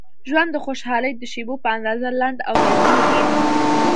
ژوند د خوشحالۍ د شیبو په اندازه لنډ او لنډیږي.